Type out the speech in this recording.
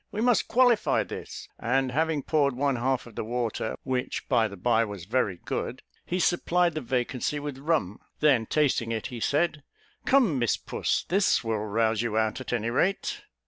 We must qualify this;" and having poured one half of the water, which by the by was very good, he supplied the vacancy with rum. Then tasting it, he said, "Come, Miss Puss; this will rouse you out, at any rate."